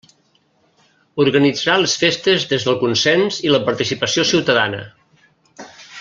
Organitzarà les festes des del consens i la participació ciutadana.